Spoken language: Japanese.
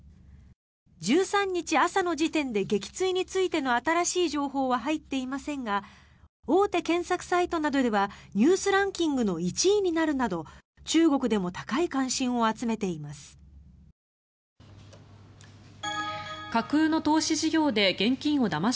１３日朝の時点で撃墜についての新しい情報は入っていませんが大手検索サイトなどではニュースランキングの１位になるなど中国でも高い関心を集めています。